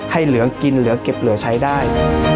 เหลือกินเหลือเก็บเหลือใช้ได้